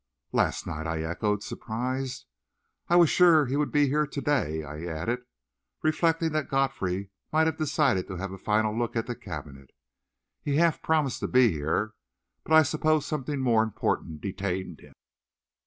"Last night?" I echoed, surprised. "I was sure he would be here to day," I added, reflecting that Godfrey might have decided to have a final look at the cabinet. "He half promised to be here, but I suppose something more important detained him."